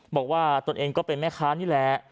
บอกว่าตัวเองก็เป็นแม่ค้านี่แหละ